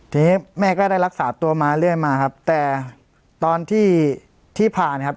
ทีนี้แม่ก็ได้รักษาตัวมาเรื่อยมาครับแต่ตอนที่ที่ผ่านครับ